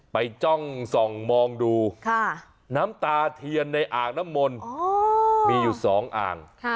จ้องส่องมองดูน้ำตาเทียนในอ่างน้ำมนต์มีอยู่๒อ่าง